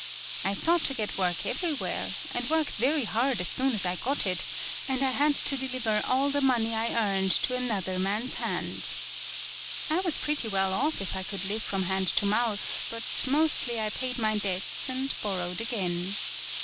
I sought to get work everywhere, and worked very hard as soon as I got it, and I had to deliver all the money I earned to another man's hand. I was pretty well off if I could live from hand to mouth, but mostly I paid my debts and borrowed again.